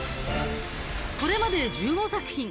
これまで１５作品。